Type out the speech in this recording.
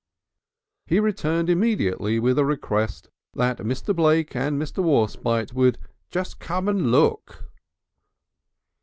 He returned immediately with a request that Mr. Blake and Mr. Warspite would "just come and look."